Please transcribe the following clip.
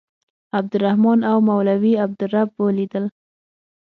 عبدالرحمن او مولوي عبدالرب ولیدل.